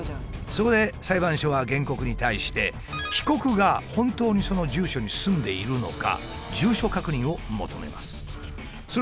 そこで裁判所は原告に対して被告が本当にその住所に住んでいるのか住所確認を求めます。